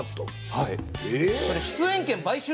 はい。